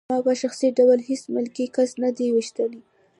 ما په شخصي ډول هېڅ ملکي کس نه دی ویشتی